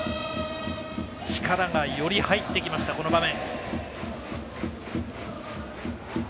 力がより入ってきましたこの場面。